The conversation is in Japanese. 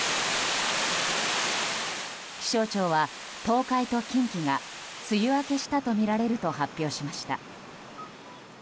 気象庁は東海と近畿が梅雨明けしたとみられると発表しました。